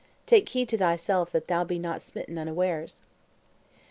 Take heed to thyself that thou be not smitten unawares."